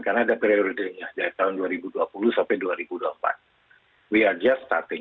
karena ada prioritasnya dari tahun dua ribu dua puluh sampai dua ribu dua puluh empat